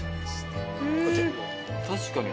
確かに。